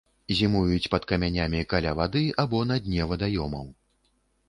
Зімуюць пад камянямі каля вады або на дне вадаёмаў.